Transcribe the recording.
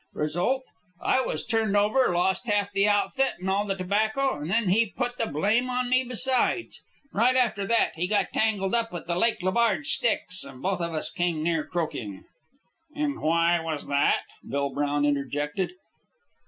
Result: I was turned over, lost half the outfit and all the tobacco, and then he put the blame on me besides. Right after that he got tangled up with the Lake Le Barge Sticks, and both of us came near croaking." "And why was that?" Bill Brown interjected.